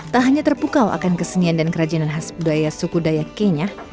tak hanya terpukau akan kesenian dan kerajinan khas budaya suku dayak kenya